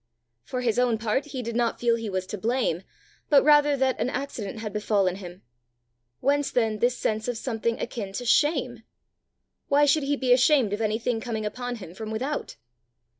For his own part he did not feel he was to blame, but rather that an accident had befallen him. Whence then this sense of something akin to shame? Why should he be ashamed of anything coming upon him from without?